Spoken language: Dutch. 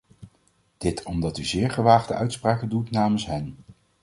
Dit omdat u zeer gewaagde uitspraken doet namens hen.